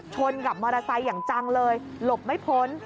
ชนกับมอเตอร์ไซค์อย่างจังเลยหลบไม่พ้น